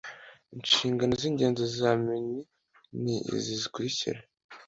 inshingano z‘ngenzi za mmi ni izi zikurikira